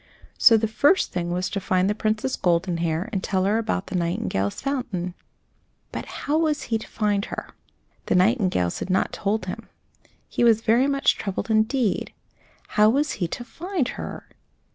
So the first thing was to find the Princess Goldenhair and tell her about the nightingales' fountain. But how was he to find her? The nightingales had not told him. He was very much troubled, indeed. How was he to find her?